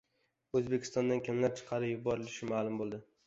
O‘zbekistondan kimlar chiqarib yuborilishi ma’lum bo‘ldi